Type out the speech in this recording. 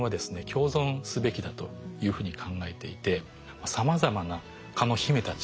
共存すべきだというふうに考えていてさまざまな蚊の秘めた力。